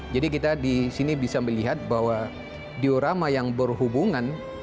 jadi kita disini bisa melihat bahwa diorama yang berhubungan